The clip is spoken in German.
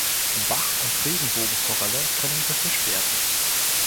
Bach- und Regenbogenforelle können befischt werden.